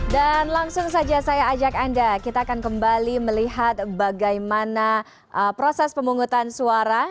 dan langsung saja saya ajak anda kita akan kembali melihat bagaimana proses pemungutan suara